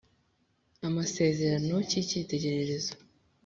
Amasezerano cy icyitegererezo